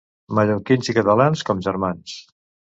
Mallorquins i catalans, com germans.